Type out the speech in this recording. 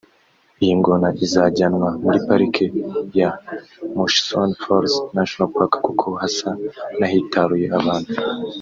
Iyi ngona izajyanwa muri pariki ya Murchison Falls National Park kuko hasa n’ahitaruye abantu